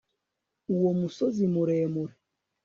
uwo musozi muremure